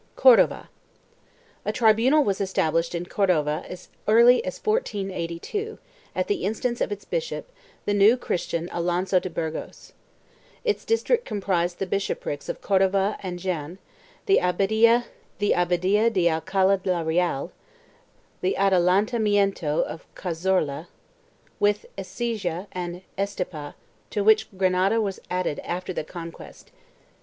4 CORDOVA. A tribunal was established in Cordova as early as 1482 r at the instance of its bishop, the New Christian Alonso de Burgos. Its district comprised the bishoprics of Cordova and Jaen, the Abadia de Alcala la Real, the Adelantamiento of Cazorla, with Ecija and Estepar to which Granada was added after the conquest.